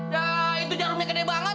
ya itu jarumnya gede banget